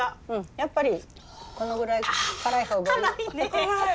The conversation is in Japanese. やっぱりこのぐらい辛い方がいい。